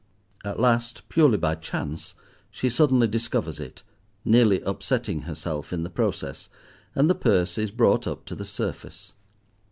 At last, purely by chance, she suddenly discovers it, nearly upsetting herself in the process, and the purse is brought up to the surface.